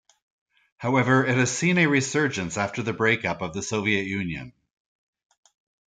However, it has seen a resurgence after the break-up of the Soviet Union.